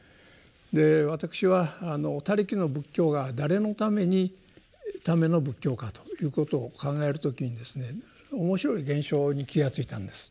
で私は「他力」の仏教が誰のための仏教かということを考える時にですね面白い現象に気が付いたんです。